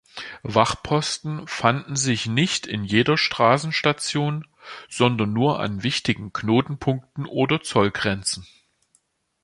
Wachposten fanden sich nicht in jeder Straßenstation, sondern nur an wichtigen Knotenpunkten oder Zollgrenzen.